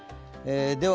では